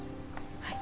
はい。